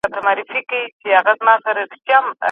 موږ باید په خپلو اخلاقو کار وکړو.